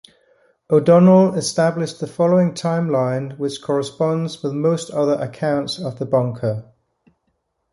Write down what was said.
O'Donnell established the following timeline, which corresponds with most other accounts of the bunker.